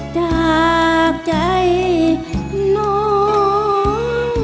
จากใจน้อง